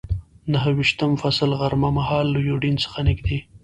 نهه ویشتم فصل، غرمه مهال له یوډین څخه نږدې.